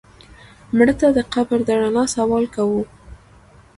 مړه ته د قبر د رڼا سوال کوو